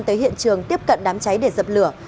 tới hiện trường tiếp cận đám cháy để dập lửa